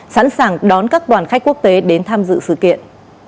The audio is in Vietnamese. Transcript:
sẵn sàng đón các đoàn khách quốc tế đến tham dự sự kiện